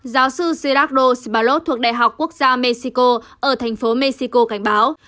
giáo sư zidakdo sibalot thuộc đại học quốc gia mexico ở thành phố mexico cảnh báo